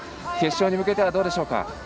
決勝に向けてはどうでしょうか。